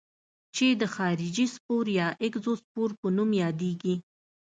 چې د خارجي سپور یا اګزوسپور په نوم یادیږي.